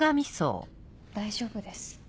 大丈夫です。